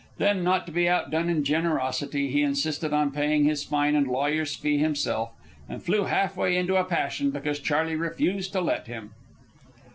Then, not to be outdone in generosity, he insisted on paying his fine and lawyer's fee himself, and flew half way into a passion because Charley refused to let him.